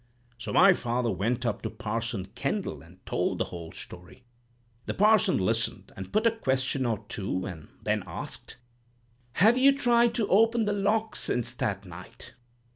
So my father went up to Parson Kendall, and told the whole story. The parson listened, and put a question or two, and then asked: "'Have you tried to open the lock since that night?'